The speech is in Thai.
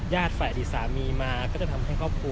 ฝ่ายอดีตสามีมาก็จะทำให้ครอบครัว